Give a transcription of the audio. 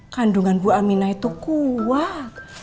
kandungan bu aminah itu kuat